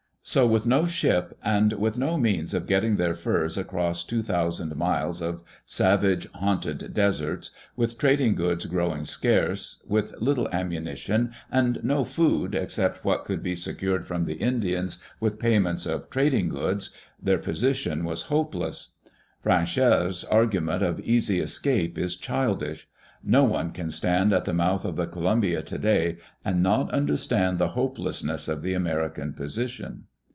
So with no ship, and with no means of getting their furs across two thousand miles of savage haunted deserts, with trading goods growing scarce, with little am munition and no food except what could be secured from the Indians Digitized by VjOOQ IC BRIEF HISTORY FROM ORIGINAL SOURCES With payments of trading goods, their position was hopeless. Fran chere's argument of easy escape is childish. No one can stand at the mouth of the Columbia today and not understand the hopelessness of the American position.